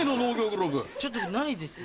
ちょっとないです。